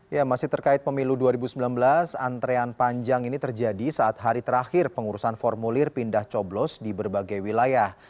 ya masih terkait pemilu dua ribu sembilan belas antrean panjang ini terjadi saat hari terakhir pengurusan formulir pindah coblos di berbagai wilayah